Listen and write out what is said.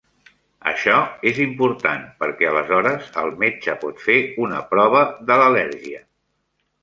Això és important, perquè aleshores el metge pot fer una prova de l'al·lèrgia.